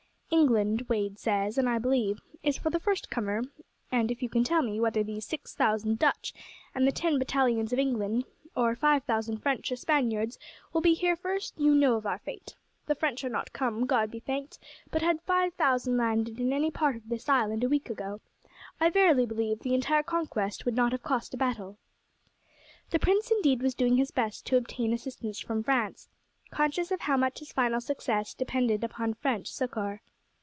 "England, Wade says, and I believe, is for the first comer, and if you can tell me whether these six thousand Dutch and the ten battalions of England, or five thousand French or Spaniards, will be here first, you know our fate. The French are not come, God be thanked; but had five thousand landed in any part of this island a week ago, I verily believe the entire conquest would not have cost a battle." The prince indeed was doing his best to obtain assistance from France, conscious how much his final success depended upon French succour.